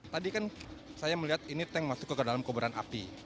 tadi kan saya melihat ini tank masuk ke dalam kobaran api